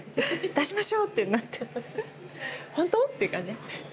「出しましょう！」ってなって「ほんと？」って感じで。